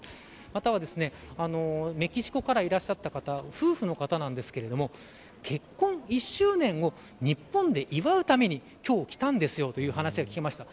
または、メキシコからいらっしゃった方夫婦の方なんですけど結婚１周年を日本で祝うために今日、来たんですよという話が聞けました。